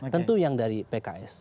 tentu yang dari pks